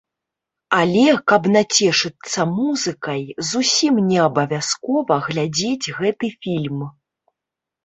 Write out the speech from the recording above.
Але, каб нацешыцца музыкай, зусім не абавязкова глядзець гэты фільм.